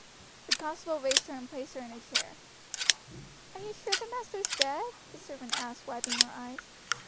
The constable raised her and placed her in a chair. "Are you sure the master's dead?" the servant asked, wiping her eyes.